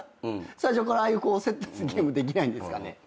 最初からああいう競ったゲームできないんですかね？